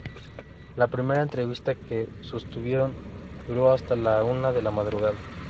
La primera entrevista que sostuvieron duró hasta la una de la madrugada.